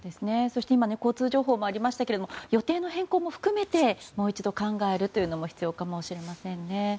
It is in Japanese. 今交通情報もありましたが予定の変更も含めてもう一度考えるというのも必要かもしれませんね。